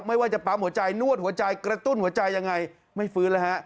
ไม่ว่าจะปั๊มหัวใจนวดหัวใจกระตุ้นหัวใจยังไงไม่ฟื้นแล้วฮะ